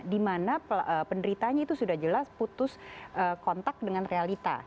dimana penderitanya itu sudah jelas putus kontak dengan realita